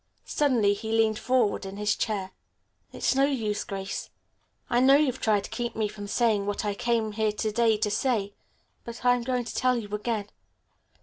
Suddenly he leaned far forward in his chair. "It's no use, Grace. I know you've tried to keep me from saying what I came here to day to say, but I'm going to tell you again.